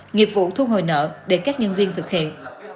nghiệp vụ thu hồi nợ để các nhân viên thực hiện